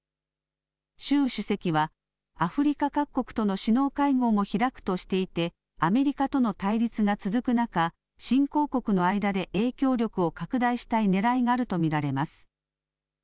習主席はアフリカ各国との首脳会合も開くとしていてアメリカとの対立が続く中、新興国の間で影響力を拡大したいねらいがあると見られます。